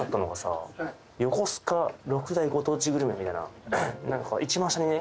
横須賀６大ご当地グルメみたいななんか一番下にね